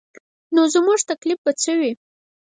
نو زموږ تکلیف به څه وي.